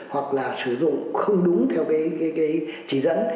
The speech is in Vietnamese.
hoặc là sử dụng không đúng theo cái chỉ dẫn